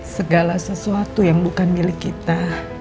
segala sesuatu yang bukan milik kita